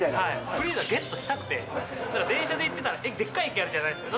フリーザーゲットしたくて、電車でいってたら、でっかい駅あるじゃないですか。